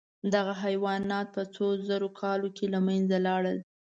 دغه حیوانات په څو زرو کالو کې له منځه لاړل.